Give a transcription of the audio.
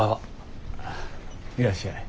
いらっしゃい。